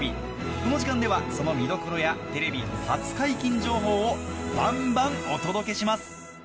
この時間ではその見どころやテレビ初解禁情報をバンバンお届けします